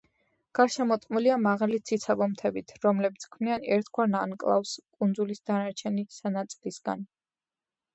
გარშემორტყმულია მაღალი ციცაბო მთებით, რომლებიც ქმნიან ერთგვარ ანკლავს კუნძულის დანარჩენი ნაწილისაგან.